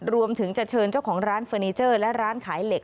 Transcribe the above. รวมถึงจะเชิญเจ้าของร้านเฟอร์นิเจอร์และร้านขายเหล็ก